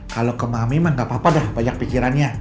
kalo ke mami emang gak apa apa dah banyak pikirannya